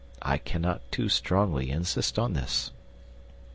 I cannot too strongly insist on this.